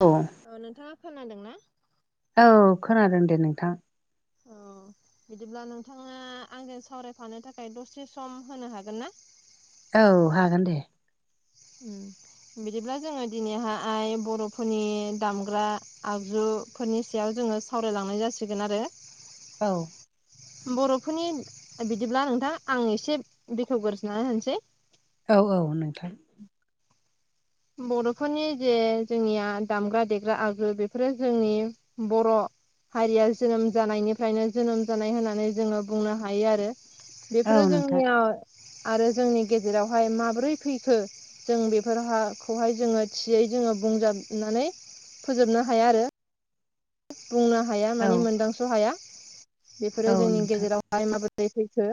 औ। अ नोंथाङा खोनादों ना? औ खोनादों दे नोंथां। औ बिदिब्ला नोंथाङा आंजों सावरायफानो थाखाय दसे सम होनो हागोन ना? औ हागोन दे। उम बिदिब्ला जोङो दिनैहा आय बर'फोरनि दामग्रा आगजु फोरनि सायाव जोङो सावरायलांनाय जासिगोन आरो। औ। बर'फोरनि बिदिब्ला नोंथां आं एसे बेखेवग्रजोननानै होनोसै। औ औ नोंथां। बर'फोरनि जे जोंनिया दामग्रा देग्रा आगु बेफोरो जोंनि बर' हारिया जोनोम जानायनिफ्रायनो जोनोम जानाय होननानै जोङो बुंनो हायो आरो। औ बेफोरो नोंथां जोंनियाव आरो जोंनि गेजेरावहाय माबोरै फैखो जों बेफोरहा खौहाय जोङो थियै जोङो बुंजाबनानै फोजोबनो हाया आरो‌। बुंनो हाया औ माने मोनदांस' हाया बेफोरो औ जोंनि नोंथां गेजेराव जाय माबोरै फैखो।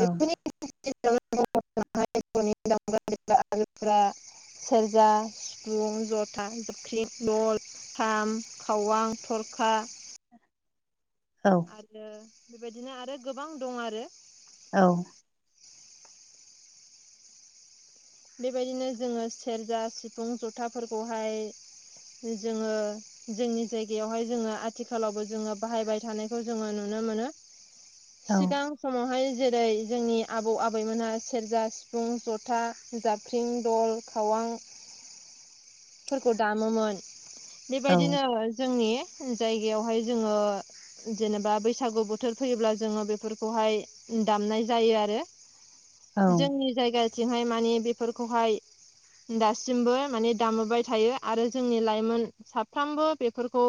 औ फ्रा सेरजा, सिफुं, जथा, जोबख्रि लल खाम, खावां, थरखा औ। आरो बेबायदिनो आरो गोबां दं आरो। औ। बेबायदिनो जोङो सेरजा, सिफुं, जथाफोरखौहाय जोङो जोंनि जायगायावहाय जोङो आथिखालावबो जोङो बाहायबाय थानायखौ जोङो नुनो मोनो। [inaudible] औ सिगां समावहाय जेरै जोंनि आबौ आबैमोनहा सेरजा सिफुं जथा जाफ्रिं, दल, खावां फोरखौ दामोमोन बेबायदिनो जोंनि जायगायावहाय जोङो जेनेबा बैसागु बोथोर फैयोब्ला जोङो बेफोरखौहाय दामनाय जायो आरो। औ जोंनि जायगाथिंहाय मानि बेफोरखौहाय दासिमबो मानि दाम बोबाय थायो आरो जोंनि लाइमोन साफ्रामबो बेफोरखौ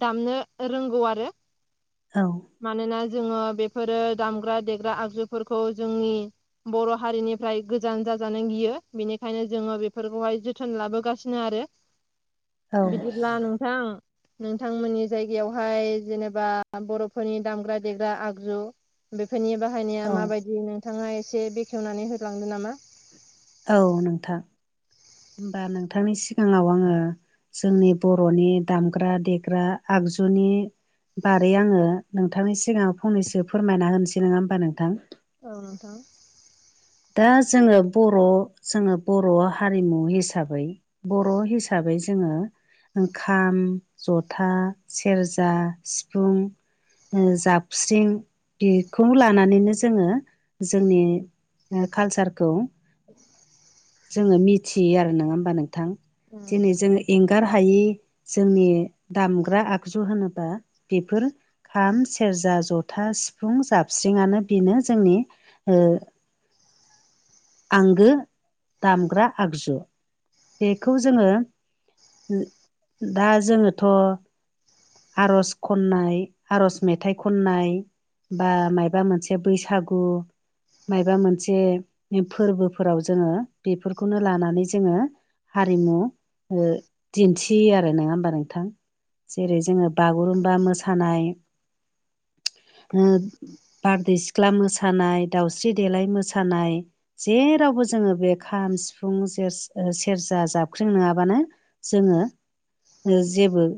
दामनो रोंगौ आरो। औ। मानोना जोङो बेफोरो दामग्रा देग्रा आगजुफोरखौ जोंनि बर' हारिनिफ्राय गोजान जाजानो गियो बेनिखायनो जोङो बे फोरखौहाय जोथोन लाबोगासिनो आरो। औ बिदिब्ला नोंथां नोंथांमोननि जायगायावहाय जेनेबा बर'फोरनि दामग्रा देग्रा आगजु बेफोरनि बाहायनाया औ माबायदि नोंथाङा एसे बेखेवनानै होलांदो नामा। औ नोंथां हमबा नोंथांनि सिगाङाव आङो जोंनि बर'नि दामग्रा देग्रा आगजुनि बारै आङो नोंथांनि सिगाङाव फंनैसो फोरमायना होनोसै नङा होमबा नोंथां। औ नोंथां। दा जोङो बर' जोङो बर' हारिमु हिसाबै बर' हिसाबै जोङो ओंखाम, जथा, सेरजा, सिफुं, ओ जाबस्रिं बेखौ लानानैनो जोङो जोंनि कालसारखौ जोङो मिथियो आरो नङा होमबा नोंथां। दिनै जों एंगार हायि जोंनि दामग्रा आगजु होनोबा बेफोर फाम, सेरजा, जथा, सिफुं, जाबस्रिङानो बेनो जोंनि ओ आंगो दामग्रा आगजु। बेखौ जोङो दा जोङोथ' आर'ज खननाय आर'ज मेथाइ खननाय, बा माबा मोनसे बैसागु माबा मोनसे बे फोरबोफोराव जोङो बेफोरखौनो लानानै जोङो हारिमु ओ दिन्थियो आरो नङा होमबा नोंथां जेरै जोङो बागुरुम्बा मोसानाय। उम बारदै सिख्ला मोसानाय दाउस्रि देलाय मोसानाय जेरावबो जोङो बे खाम सिफुं सेर सेरजा जाबख्रिं नङाबानो जोङो ओ जेबो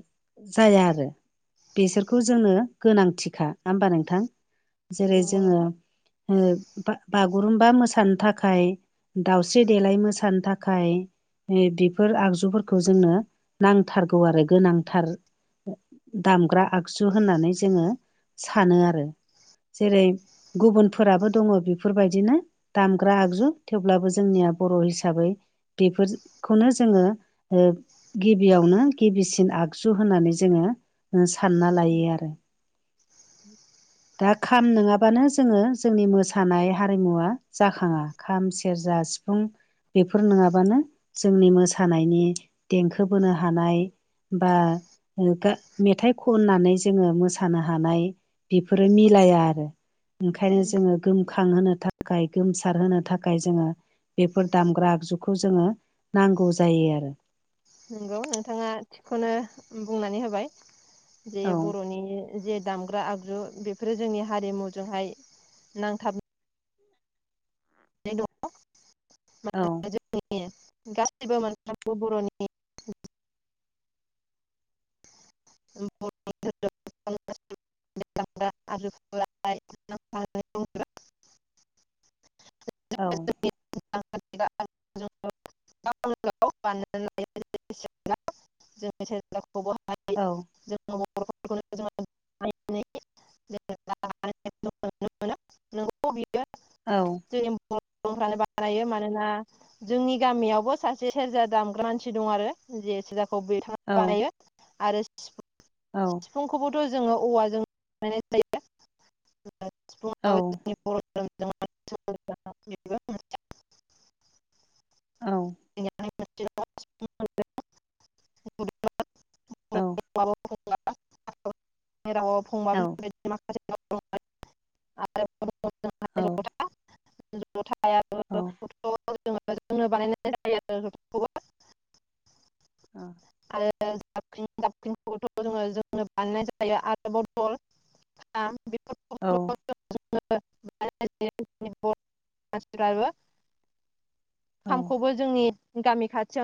जाया आरो। बिसोरखौ जोङो गोनांथिखा नङा होमबा नोंथां? जेरै नंगौ जोङो नोंथां ओ बा बागुरुम्बा मोसान थाखाय दाउस्रि देलाय मोसानो थाखाय इ बेफोर आगजुफोरखौ जोंनो नांथारगौ आरो गोनांथार। दामग्रा आगजु होननानै जोङो सानो आरो। जेरै गुबुन फोराबो दङ बेफोर बायदिनो। दामग्रा आगजु थेवब्लाबो जोंनिया बर' हिसाबै बेफोर खौनो जोङो ओ गिबियावनो गिबिसिन आगजु होननानै जोङो उ सानना लायो आरो। [unintelligible] दा खाम नङाबानो जोङो जोंनि मोसानाय हारिमुवा जाखाङा खाम सेरजा सिफुं बेफोर नङाबानो जोंनि मोसानायनि देंखो बोनो हानाय बा ओ गा मेथाइ खननानै जोङो मोसानो हानाय। बेफोरो मिलाया आरो ओंखायनो जोङो गोमखां होनो था गोमसार होनो थाखाय जोङो बेफोर दामग्रा आगजुखौ जोङो नांगौ जायो आरो। नंगौ नोंथाङा थिग खौनो बुंनानै होबाय जे औ बर'नि जे दामग्रा आगजु बेफोरो जोंनि हारिमुजों हाय नांथाब द औ [unintelligible] गासिबो मोन फ्रोमबो बर' नि [unintelligible] [unintelligible] [unintelligible] औ। [unintelligible] जों सेर जा खौ [unintelligible] हा नाय। औ। जों [unintelligible] खौनो [unintelligible] जोङो जो [unintelligible] बियो औ। [unintelligible] बानायो मानोना जोंनि गामियावबो सासे सेरजा दामग्रा मानसि दं आरो जे सेरजाखौ बिथाङा औ बानायो आरो सिफुं [unintelligible] औ सिफुंखौ बोथ' जोङो औवाजों बानायनाय औ जायो [unintelligible] [unintelligible] औ। [unintelligible] [unintelligible] रावाव औ फंबा बेफोर औ [unintelligible] बायदि माखासे औ [inaudible] [inaudible] औ जोंनो बानायनाय जायो जथाखौबो ओ। आरो जाब जाबख्रिं खौथ' जोङो जोंनो बानायनाय जायो आरो बथल [unintelligible] बे औ [unintelligible] [inaudible] औ खामखौबो जोंनि गामि खाथियावनो